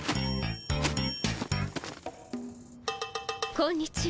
こんにちは。